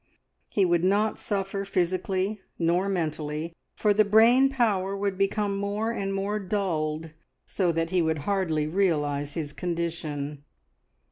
He would not suffer physically nor mentally, for the brain power would become more and more dulled, so that he would hardly realise his condition.